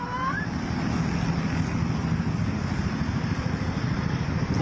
ไอ้